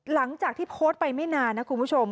หลังจากที่โพสต์ไปไม่นานนะคุณผู้ชม